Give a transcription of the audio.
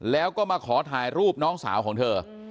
แล้วก็มาขอถ่ายรูปน้องสาวของเธอ